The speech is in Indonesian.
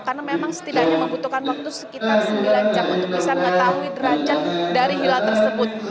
karena memang setidaknya membutuhkan waktu sekitar sembilan jam untuk bisa mengetahui derajat dari hilal tersebut